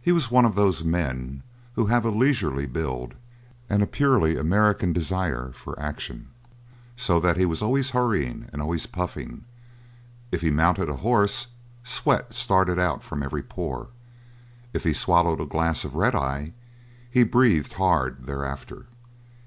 He was one of those men who have a leisurely build and a purely American desire for action; so that he was always hurrying and always puffing. If he mounted a horse, sweat started out from every pore; if he swallowed a glass of red eye he breathed hard thereafter.